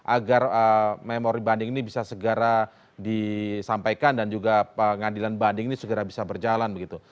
agar memori banding ini bisa segera disampaikan dan juga pengadilan banding ini segera bisa berjalan begitu